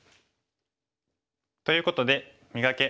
ということで「磨け！